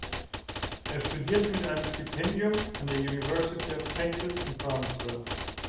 Er studierte mit einem Stipendium an der University of Texas in Brownsville.